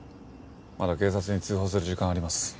まだ警察に通報する時間はあります。